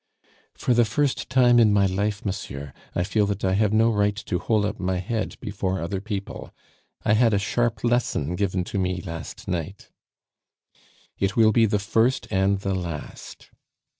"For the first time in my life, monsieur, I feel that I have no right to hold up my head before other people; I had a sharp lesson given to me last night " "It will be the first and the last."